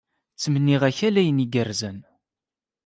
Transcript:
Ttmenniɣ-ak ala ayen igerrzen.